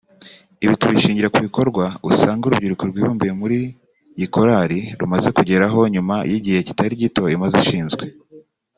Ibi tubishingira kubikorwa usanga urubyiruko rwibumbiye muri iyi korali rumaze kugeraho nyuma y’igihe kitari gito imaze ishinzwe